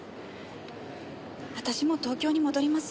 私もう東京に戻ります。